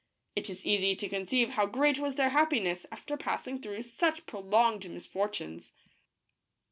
It is easy to conceive how great was their happiness after passing through such prolonged misfortunes.